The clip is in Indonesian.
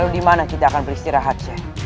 dan di mana kita bisa beristirahat